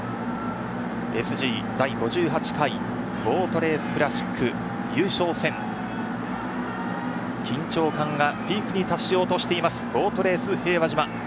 ＳＧ第５８回ボートレースクラシック優勝戦、緊張感がピークに達しようとしています、ボートレース平和島。